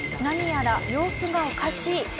何やら様子がおかしい。